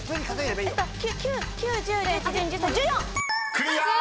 ［クリア！］